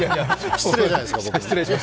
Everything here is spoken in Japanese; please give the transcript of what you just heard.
失礼じゃないですか。